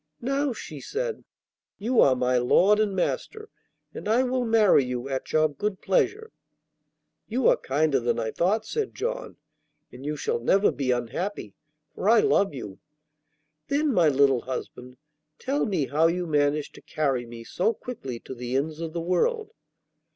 'Now,' she said, 'you are my lord and master, and I will marry you at your good pleasure.' 'You are kinder than I thought,' said John; 'and you shall never be unhappy, for I love you.' 'Then, my little husband, tell me how you managed to carry me so quickly to the ends of the world.